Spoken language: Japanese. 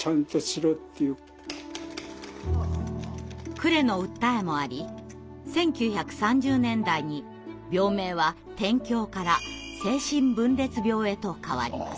呉の訴えもあり１９３０年代に病名は「癲狂」から「精神分裂病」へと変わります。